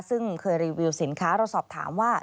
ซึ่งเคยรีวิวสินค้าเราสอบถามว่า